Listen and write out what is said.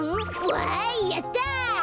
わいやった。